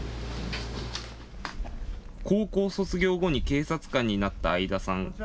高校卒業後に警察官になった相田さん。